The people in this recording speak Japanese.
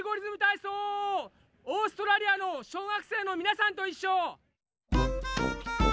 オーストラリアの小学生のみなさんといっしょ！